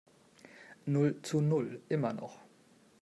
Null zu Null, immer noch.